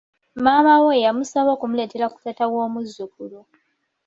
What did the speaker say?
Maama we yamusaba okumuleetera ku taata w'omuzzukulu.